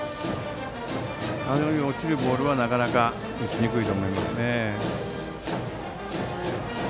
あのように落ちるボールはなかなか打ちにくいと思います。